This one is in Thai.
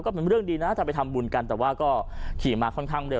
ก็เป็นเรื่องดีนะถ้าไปทำบุญกันแต่ว่าก็ขี่มาค่อนข้างเร็